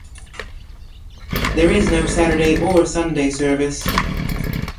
There is no Saturday or Sunday service.